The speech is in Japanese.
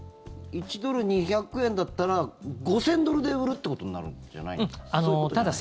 １ドル＝２００円だったら５０００ドルで売るってことになるんじゃないですか？